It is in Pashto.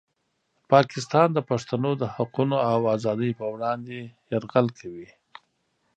پاکستان د پښتنو د حقونو او ازادۍ په وړاندې یرغل کوي.